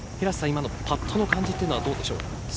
今のパットの感じはどうでしょうか。